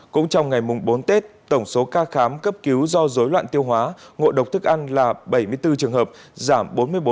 cũng trong ngày mùng bốn tết tổng số ca khám cấp cứu do dối loạn tiêu hóa ngộ độc thức ăn là bảy mươi bốn trường hợp giảm bốn mươi bốn